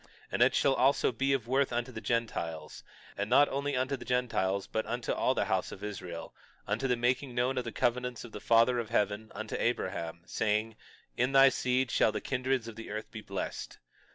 22:9 And it shall also be of worth unto the Gentiles; and not only unto the Gentiles but unto all the house of Israel, unto the making known of the covenants of the Father of heaven unto Abraham, saying: In thy seed shall all the kindreds of the earth be blessed.